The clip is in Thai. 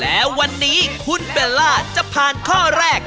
และวันนี้คุณเบลล่าจะผ่านข้อแรก